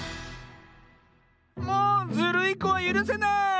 もうズルいこはゆるせない！